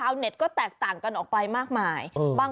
โว้ย